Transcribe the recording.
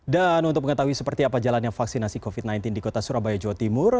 dan untuk mengetahui seperti apa jalannya vaksinasi covid sembilan belas di kota surabaya jawa timur